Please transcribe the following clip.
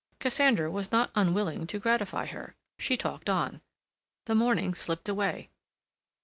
Cassandra was not unwilling to gratify her. She talked on. The morning slipped away.